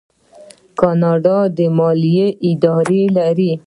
کاناډا د مالیې اداره لري.